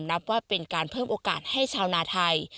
นับว่าเป็นการเพิ่มโอกาสให้ชาวนาไทย